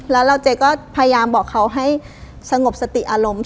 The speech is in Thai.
แล้วเราเจ๊ก็พยายามบอกเขาให้สงบสติอารมณ์